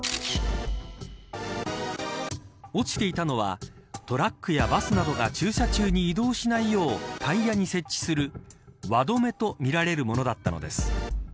落ちていたのはトラックやバスなどが駐車中に移動しないようタイヤに設置する輪止めと見られるものだったのです。